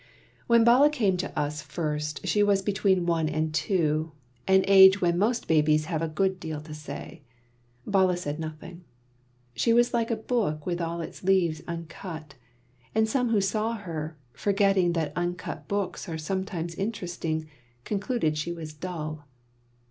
When Bala came to us first she was between one and two, an age when most babies have a good deal to say. Bala said nothing. She was like a book with all its leaves uncut; and some who saw her, forgetting that uncut books are sometimes interesting, concluded she was dull.